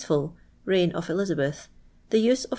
«'fnl, rei;::i of Iv.i/abeth. the use of c.